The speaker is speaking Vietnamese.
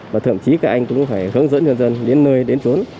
và thậm chí các anh cũng phải hướng dẫn dân dân đến nơi đến chỗ